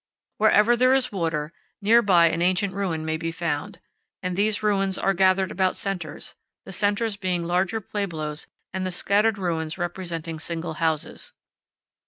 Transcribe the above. Wherever there is water, near by an ancient ruin may be found; and these ruins are gathered about centers, the centers being larger pueblos and the scattered ruins representing single houses.